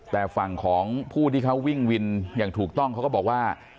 แต่ฝั่งของผู้ที่เขาวิ่งวินอย่างถูกต้องเขาก็บอกว่า